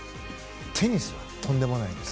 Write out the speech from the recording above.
テニス、とんでもないです。